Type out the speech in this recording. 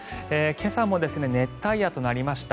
今朝も熱帯夜となりました。